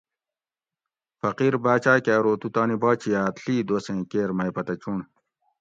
فقیر باۤچاۤ کہ ارو تُو تانی باچیاۤت ڷی دوسیں کیر مئ پتہ چُنڑ